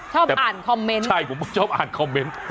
ชอบอ่านคอมเมนต์ใช่ผมชอบอ่านคอมเมนต์